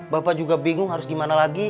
bapak juga bingung harus gimana lagi